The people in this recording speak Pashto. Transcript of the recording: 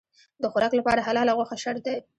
د خوراک لپاره حلاله غوښه شرط دی.